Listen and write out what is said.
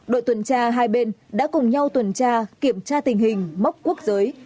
đội tuần tra hai bên đã cùng nhau tuần tra kiểm tra tình hình mốc quốc giới